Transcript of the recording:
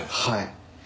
はい。